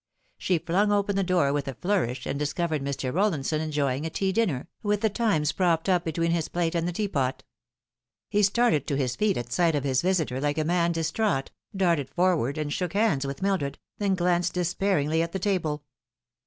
She flung open the door with a flourish, and discovered Mr. Rolliuson enjoying a tea dinner, with the Times propped up between his plate and the tea pot. He started to his feet at sight of his visitor like a man dis traught, darted forward and shook hands with Mildred, then glanced despairingly at the table.